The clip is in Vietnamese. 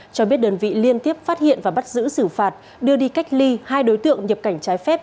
cho biết đơn vị liên tiếp phát hiện và bắt giữ xử phạt đưa đi cách ly hai đối tượng nhập cảnh trái phép